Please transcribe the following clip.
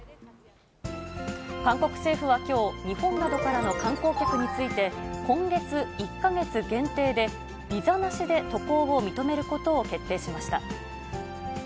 韓国政府はきょう、日本などからの観光客について、今月１か月限定で、ビザなしで渡航を認めることを決定しました。